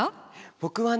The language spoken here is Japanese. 僕はね